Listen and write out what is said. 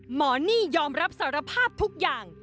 หนี้ยอมรับสารภาพทุกอย่าง